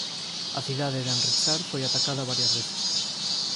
A cidade de Amritsar foi atacada varias veces.